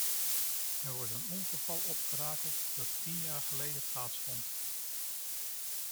Er wordt een ongeval opgerakeld dat tien jaar geleden plaatsvond.